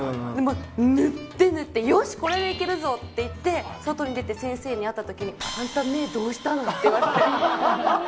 塗って塗ってよしこれで行けるぞって外に出て先生に会った時にあんた目どうしたのって言われて。